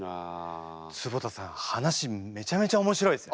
坪田さん話めちゃめちゃ面白いですね。